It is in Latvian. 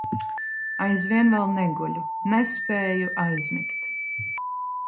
Aizvien vēl neguļu, nespēju aizmigt.